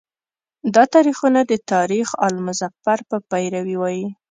دا تاریخونه د تاریخ آل مظفر په پیروی وایي.